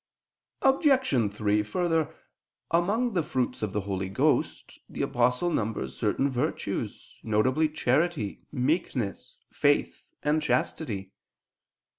Obj. 3: Further, among the fruits of the Holy Ghost, the Apostle numbers certain virtues, viz. charity, meekness, faith, and chastity.